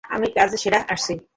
আমি কাজ সেরে আসছি।